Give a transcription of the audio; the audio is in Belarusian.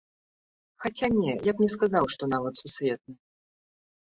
Хаця, не, я б не сказаў, што нават сусветны.